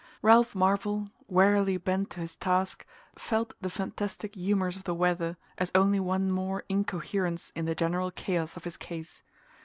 Ralph Marvell, wearily bent to his task, felt the fantastic humours of the weather as only one more incoherence in the general chaos of his case.